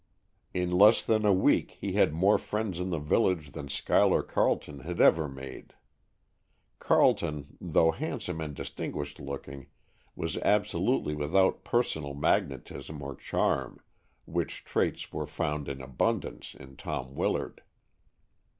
In less than a week he had more friends in the village than Schuyler Carleton had ever made. Carleton, though handsome and distinguished looking, was absolutely without personal magnetism or charm, which traits were found in abundance in Tom Willard.